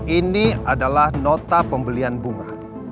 ini adalah nota pembelian bunga